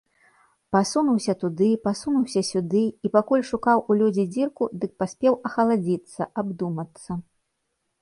Пасунуўся туды, пасунуўся сюды, і пакуль шукаў у лёдзе дзірку, дык паспеў ахаладзіцца, абдумацца.